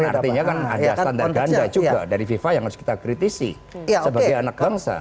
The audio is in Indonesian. artinya kan ada standar ganda juga dari fifa yang harus kita kritisi sebagai anak bangsa